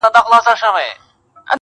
په ښکاره یې اخیستله رشوتونه.!